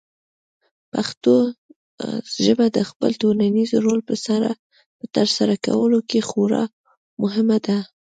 پښتو ژبه د خپل ټولنیز رول په ترسره کولو کې خورا مهمه ده.